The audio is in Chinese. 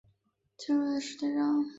曾任德间书店社长。